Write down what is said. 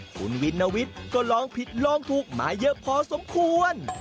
คุณวินวิทย์ก็ลองผิดลองถูกมาเยอะพอสมควร